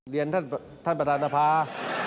เรียนท่านประธานสภา